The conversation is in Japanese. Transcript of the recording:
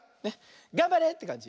がんばれってかんじ。